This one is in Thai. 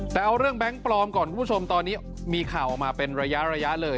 แต่เอาเรื่องแบงค์ปลอมก่อนคุณผู้ชมตอนนี้มีข่าวออกมาเป็นระยะเลย